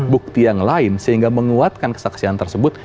bukti yang lain sehingga menguatkan kesaksian tersebut